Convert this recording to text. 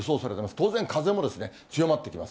当然風も強まってきます。